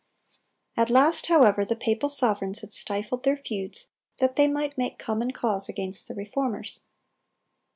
At last, however, the papal sovereigns had stifled their feuds, that they might make common cause against the Reformers.